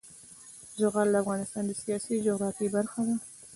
زغال د افغانستان د سیاسي جغرافیه برخه ده.